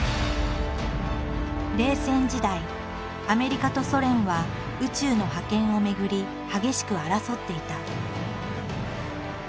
アメリカとソ連は宇宙の覇権をめぐり激しく争っていた。